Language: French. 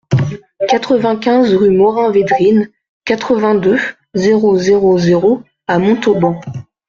quatre-vingt-quinze rue Morin-Védrines, quatre-vingt-deux, zéro zéro zéro à Montauban